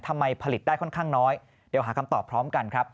ผลิตได้ค่อนข้างน้อยเดี๋ยวหาคำตอบพร้อมกันครับ